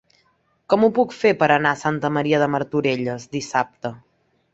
Com ho puc fer per anar a Santa Maria de Martorelles dissabte?